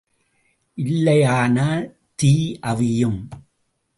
இல்லையானால் தீ அவியும்.